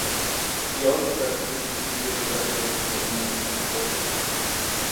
He also felt it would be easier to replicate Simple Minds than Bowie.